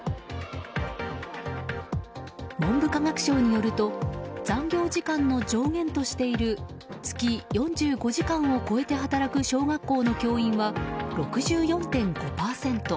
文部科学省によると残業時間の上限としている月４５時間を超えて働く小学校の教員は６４．５％。